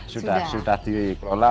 sudah sudah sudah dikelola